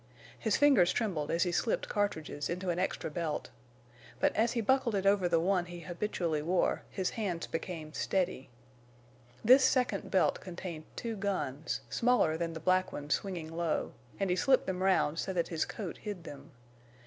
His fingers trembled as he slipped cartridges into an extra belt. But as he buckled it over the one he habitually wore his hands became steady. This second belt contained two guns, smaller than the black ones swinging low, and he slipped them round so that his coat hid them.